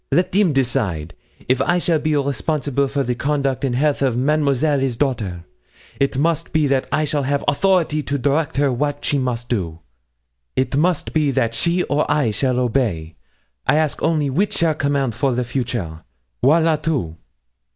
Let him decide. If I shall be responsible for the conduct and the health of Mademoiselle his daughter, it must be that I shall have authority to direct her wat she must do it must be that she or I shall obey. I ask only witch shall command for the future voilà tout!'